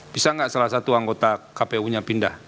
bisa nggak salah satu anggota kpu nya pindah